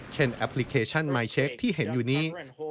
แอปพลิเคชันมายเช็คที่เห็นอยู่นี้